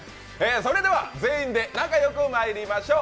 それでは全員で仲よくまいりましょう。